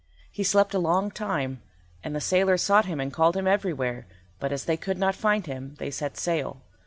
He slept a long time, and the sailors sought him and called him everywhere, but as they could not find him they set sail.